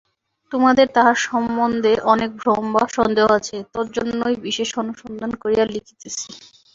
তোমাদের তাঁহার সম্বন্ধে অনেক ভ্রম বা সন্দেহ আছে, তজ্জন্যই বিশেষ অনুসন্ধান করিয়া লিখিতেছি।